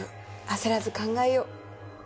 焦らず考えよう。